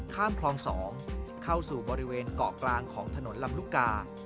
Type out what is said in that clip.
ข้ามคลอง๒เข้าสู่บริเวณเกาะกลางของถนนลำลูกกา